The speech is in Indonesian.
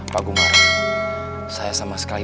pak gumar saya sama sekali